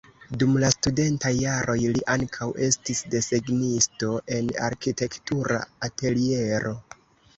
Dum la studentaj jaroj li ankaŭ estis desegnisto en arkitektura ateliero.